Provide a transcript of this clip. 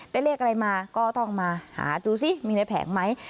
ได้เลขอะไรมาก็ต้องมาหาดูซิมีในแผงไหม